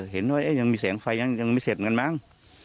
เห็นว่าเอ๊ะยังมีเสียงไฟยังไม่เสร็จกันมั้ง